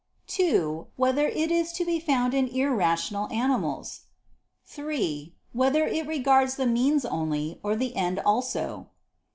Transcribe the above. (2) Whether it is to be found in irrational animals? (3) Whether it regards the means only, or the end also?